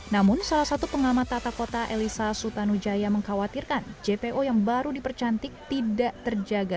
namun salah satu pengamat tata kota elisa sutanujaya mengkhawatirkan jpo yang baru dipercantik tidak terjaga